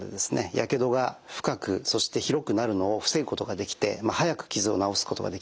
やけどが深くそして広くなるのを防ぐことができて早く傷を治すことができる。